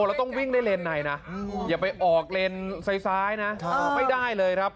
แล้วต้องวิ่งได้เลนในนะอย่าไปออกเลนซ้ายนะไม่ได้เลยครับ